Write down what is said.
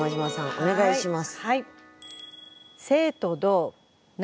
お願いします。